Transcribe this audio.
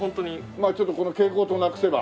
まあちょっとこの蛍光灯をなくせば。